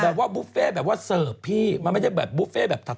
แต่ว่าบุฟเฟ่แบบว่าเสิร์ฟพี่มันไม่ได้แบบบุฟเฟ่แบบถัด